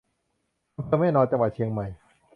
อำเภอแม่ออน จังหวัดเชียงใหม่